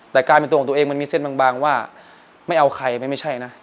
แต่กลายเป็นตัวของตัวเองมันมีเส้นบางว่าไม่เอาใครไม่ใช่นะ